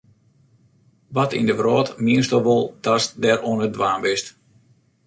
Wat yn de wrâld miensto wol datst dêr oan it dwaan bist?